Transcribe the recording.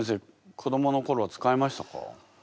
子どもの頃使いましたか？